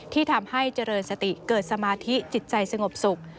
ที่ทำให้เจริญสติเกิดสมาธิจิตใจสงบสุข